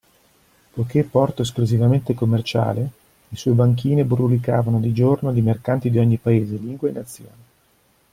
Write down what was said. Poiché porto esclusivamente commerciale, le sue banchine brulicavano di giorno di mercanti di ogni paese, lingua e nazione.